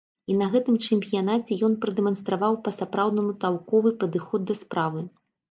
І на гэтым чэмпіянаце ён прадэманстраваў па-сапраўднаму талковы падыход да справы.